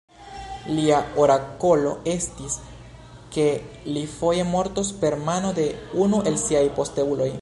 Lia orakolo estis, ke li foje mortos per mano de unu el siaj posteuloj.